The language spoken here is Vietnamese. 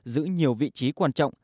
giữ nhiều vị trí quan trọng